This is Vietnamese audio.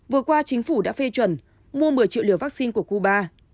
vừa qua chính phủ đã phê chuẩn mua một mươi triệu liều vaccine của cuba